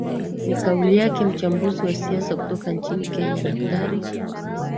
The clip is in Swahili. ni kauli yake mchambuzi wa siasa kutoka nchini kenya daktari